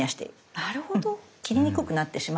なるほど。